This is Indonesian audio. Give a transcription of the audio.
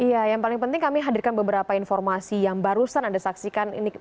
iya yang paling penting kami hadirkan beberapa informasi yang barusan anda saksikan ini